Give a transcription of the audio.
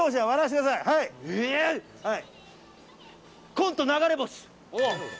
コント、流れ星。